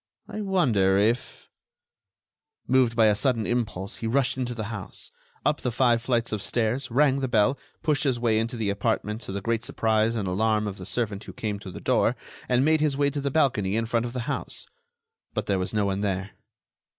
I wonder if—" Moved by a sudden impulse, he rushed into the house, up the five flights of stairs, rang the bell, pushed his way into the apartment to the great surprise and alarm of the servant who came to the door, and made his way to the balcony in front of the house. But there was no one there.